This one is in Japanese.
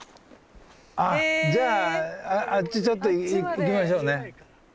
あっじゃああっちちょっと行きましょうね。